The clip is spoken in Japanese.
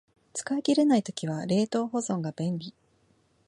使い切れない時は冷凍保存が便利